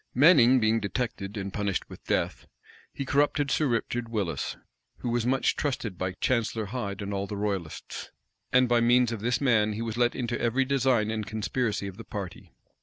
Manning being detected, and punished with death, he corrupted Sir Richard Willis, who was much trusted by Chancellor Hyde and all the royalists; and by means of this man he was let into every design and conspiracy of the party.